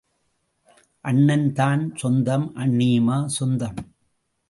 அண்ணன்தான் சொந்தம் அண்ணியுமா சொந்தம்?